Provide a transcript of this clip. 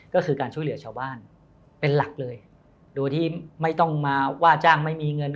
ก็คือการช่วยเหลือชาวบ้านเป็นหลักเลยโดยที่ไม่ต้องมาว่าจ้างไม่มีเงิน